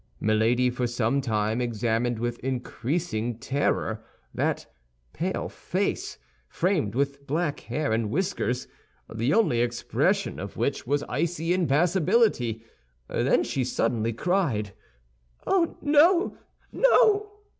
Milady for some time examined with increasing terror that pale face, framed with black hair and whiskers, the only expression of which was icy impassibility. Then she suddenly cried, "Oh, no, no!"